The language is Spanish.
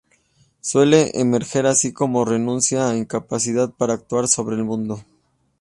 Suele emerger así como renuncia o incapacidad para actuar sobre el mundo.